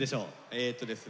えっとですね